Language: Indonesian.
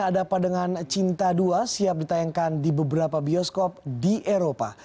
ada padangan cinta dua siap ditayangkan di beberapa bioskop di eropa